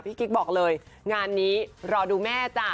กิ๊กบอกเลยงานนี้รอดูแม่จ้ะ